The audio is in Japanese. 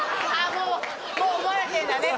もうもう思われてるんだね